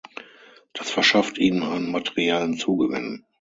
Das verschafft ihnen einen materiellen Zugewinn.